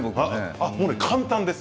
簡単です。